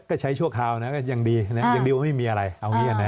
ก็ใช้ชั่วคราวนะก็ยังดีนะยังดิวไม่มีอะไรเอาอย่างนี้